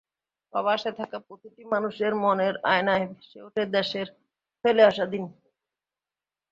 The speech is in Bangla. প্রবাসে থাকা প্রতিটি মানুষের মনের আয়নায় ভেসে ওঠে দেশের ফেলা আসা দিন।